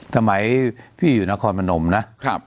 สมัยพี่อยู่นครพนมนะ